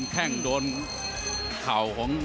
กล้องเข้าของ